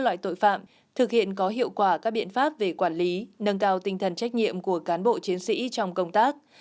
các loại tội phạm thực hiện có hiệu quả các biện pháp về quản lý nâng cao tinh thần trách nhiệm của cán bộ chiến sĩ trong công tác